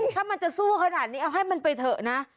ถ้ามันจะสู้ขนาดนี้เอาให้มันไปเถอะนะ